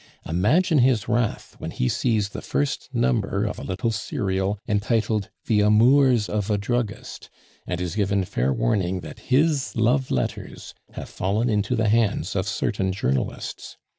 Imagine his wrath when he sees the first number of a little serial entitled the Amours of a Druggist, and is given fair warning that his love letters have fallen into the hands of certain journalists.